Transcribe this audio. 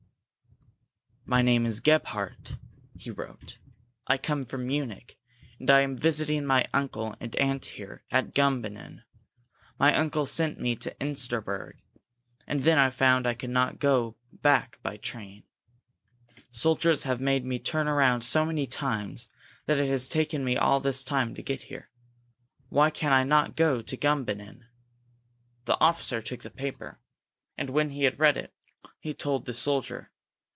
"My name is Gebhardt," he wrote. "I come from Munich, and I am visiting my uncle and aunt here at Gumbinnen. My uncle sent me to Insterberg and then I found I could not go back by train. Soldiers have made me turn around so many times that it has taken me all this time to get here. Why can I not go to Gumbinnen?" The officer took the paper and, when he had read it, told the soldier.